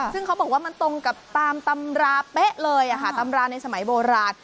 ซึ่งเขาบอกว่ามันตรงกับตามตำราเป๊ะเลยตำราในสมัยโบราณ